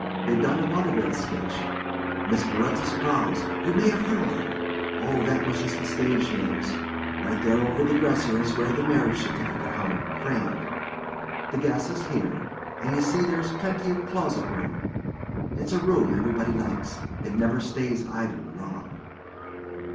They done a vaudeville sketch. Miss B'retta Sprowls—you may have heard of her—Oh, that was just the stage names—right there over the dresser is where the marriage certificate hung, framed. The gas is here, and you see there is plenty of closet room. It's a room everybody likes. It never stays idle long."